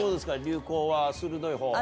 流行は鋭いほう？